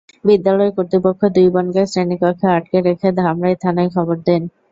বিদ্যালয় কর্তৃপক্ষ দুই বোনকে শ্রেণীকক্ষে আটকে রেখে ধামরাই থানায় খবর দেন।